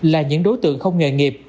là những đối tượng không nghề nghiệp